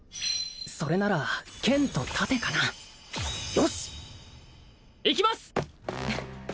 それなら剣と盾かなよしっいきます！